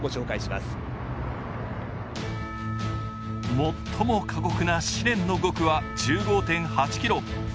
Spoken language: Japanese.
最も過酷な試練の５区は１５．８ｋｍ。